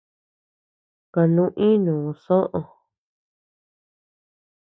Kanu inu soʼö.